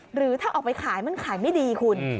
หรือถ้าออกไปขายมันขายไม่ดีคุณ